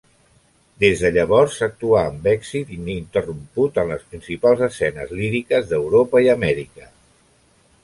Des de llavors actuà amb èxit ininterromput en les principals escenes líriques d'Europa i Amèrica.